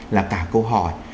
là cả câu hỏi